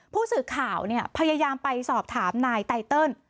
ผู้สื่อข่าวพยายามไปสอบถามนายไตเติล